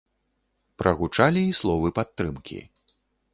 Прагучалі і словы падтрымкі.